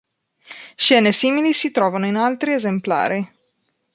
Scene simili si trovano in altri esemplari.